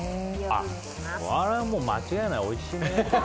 これはもう間違いないおいしいね。